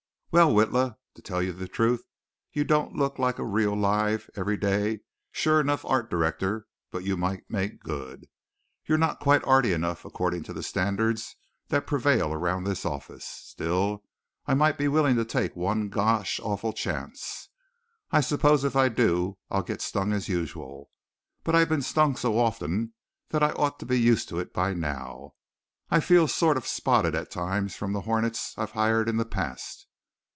"Well, Witla, to tell you the truth you don't look like a real live, every day, sure enough art director, but you might make good. You're not quite art y enough according to the standards that prevail around this office. Still I might be willing to take one gosh awful chance. I suppose if I do I'll get stung as usual, but I've been stung so often that I ought to be used to it by now. I feel sort of spotted at times from the hornets I've hired in the past.